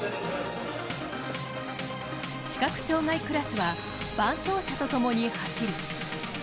視覚障がいクラスは伴走者とともに走る。